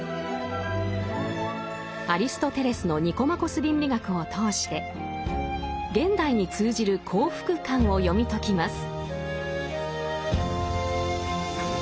アリストテレスの「ニコマコス倫理学」を通して現代に通じる幸福観を読み解きます。